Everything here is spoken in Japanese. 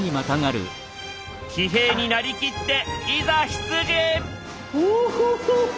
騎兵になりきっていざ出陣！